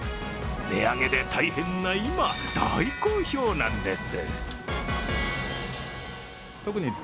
値上げで大変な今、大好評なんです。